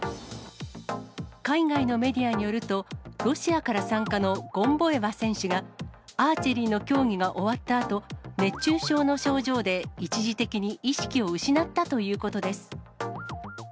海外のメディアによると、ロシアから参加のゴンボエワ選手が、アーチェリーの競技が終わったあと、熱中症の症状で、一時的に意識を失ったということです。